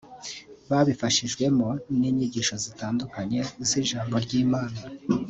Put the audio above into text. babifashijwemo n’inyigisho zitandukanye z’ijambo ry’Imana»